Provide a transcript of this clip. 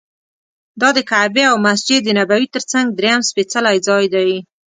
دا د کعبې او مسجد نبوي تر څنګ درېیم سپېڅلی ځای دی.